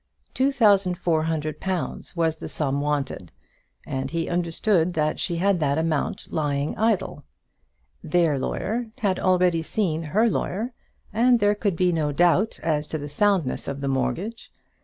Two thousand four hundred pounds was the sum wanted, and he understood that she had that amount lying idle. Their lawyer had already seen her lawyer, and there could be no doubt as to the soundness of the mortgage.